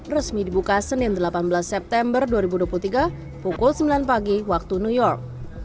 resmi dibuka senin delapan belas september dua ribu dua puluh tiga pukul sembilan pagi waktu new york